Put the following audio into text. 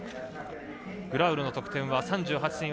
グラウルの得点は３８．４８。